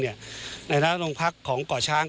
ในรังจากโรงพักษ์ของเกาะช้าง